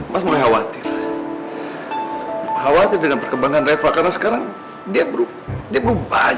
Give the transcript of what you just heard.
mas denger aku